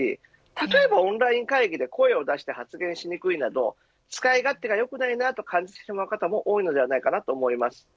例えばオンライン会議で声を出して発言しにくいなど使い勝手が良くないと感じている方も多いのではないかと思います。